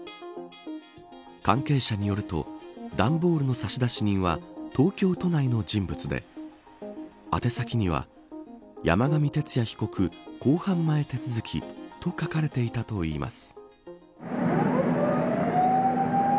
関係者によると段ボールの差出人は東京都内の人物で宛先には山上徹也被告公判前手続きと書かれていたといいます。